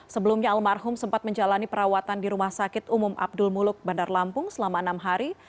sebelumnya almarhum sempat menjalani perawatan di rumah sakit umum abdul muluk bandar lampung selama enam hari